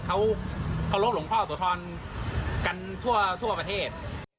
เขาเคารพหลวงพ่อโสธรกันทั่วประเทศ